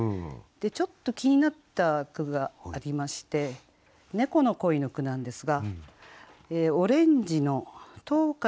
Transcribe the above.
ちょっと気になった句がありまして「猫の恋」の句なんですが。